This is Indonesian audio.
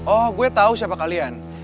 oh gue tau siapa kalian